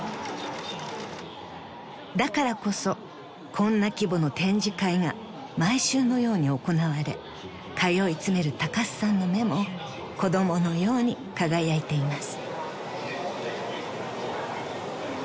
［だからこそこんな規模の展示会が毎週のように行われ通い詰める高須さんの目も子供のように輝いています］